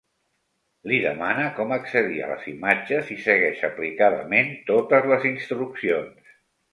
Li demana com accedir a les imatges i segueix aplicadament totes les instruccions.